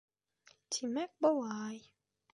Тимәк, былай...